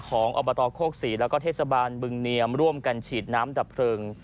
อบตโคกศรีแล้วก็เทศบาลบึงเนียมร่วมกันฉีดน้ำดับเพลิง